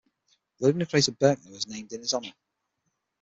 The lunar crater Berkner was named in his honor.